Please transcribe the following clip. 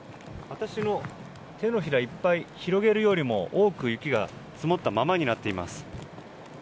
私の手のひらいっぱい広げるよりも多く雪が積もったままになっています。